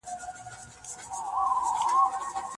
د روغتیا وزارت لیدلوری څه دی؟